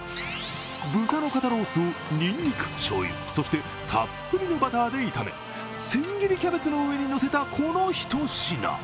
豚の肩ロースをにんにく、しょうゆそしてたっぷりのバターで炒め千切りキャベツの上にのせたこのひと品。